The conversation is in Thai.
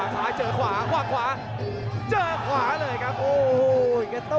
เต้นไม่ได้ครับอโห่